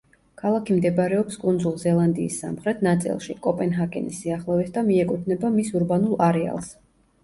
ქალაქი მდებარეობს კუნძულ ზელანდიის სამხრეთ ნაწილში, კოპენჰაგენის სიახლოვეს და მიეკუთვნება მის ურბანულ არეალს.